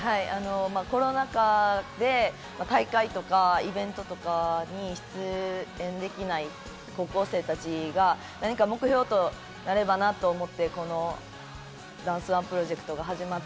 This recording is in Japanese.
コロナ禍で大会とかイベントとかに出演できない高校生たちが何か目標となればなと思ってこのダンスＯＮＥプロジェクトが始まって。